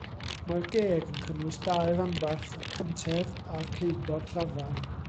Mae'r geg yn cynnwys dau ranbarth, y cyntedd a'r ceudod llafar.